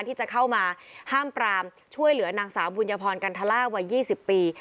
ที่จะเข้ามาห้ามปรามช่วยเหลือนางสาวบุญพรกันทล่าวัย๒๐ปี